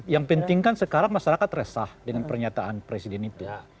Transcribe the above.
yang pentingkan sekarang masyarakat resah dengan pernyataan presiden itu